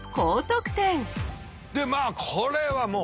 でまあこれはもう。